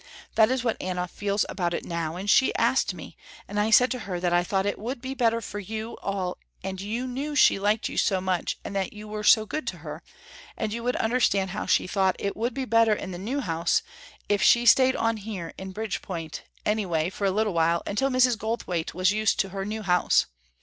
That is what Anna feels about it now, and she asked me and I said to her that I thought it would be better for you all and you knew she liked you so much and that you were so good to her, and you would understand how she thought it would be better in the new house if she stayed on here in Bridgepoint, anyway for a little while until Mrs. Goldthwaite was used to her new house.